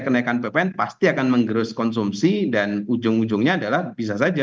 kenaikan bpn pasti akan menggerus konsumsi dan ujung ujungnya adalah bisa saja